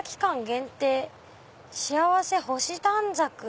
限定幸せ星短冊」。